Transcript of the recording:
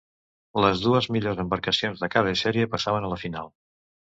Les dues millors embarcacions de cada sèrie passaven a la final.